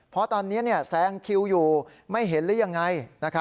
เพราะตอนนี้แซงคิวอยู่ไม่เห็นหรือยังไง